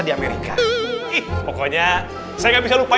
di amerika eh pokoknya saya udah lupa ini